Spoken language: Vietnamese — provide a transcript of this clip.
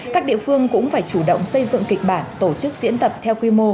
các địa phương cũng phải chủ động xây dựng kịch bản tổ chức diễn tập theo quy mô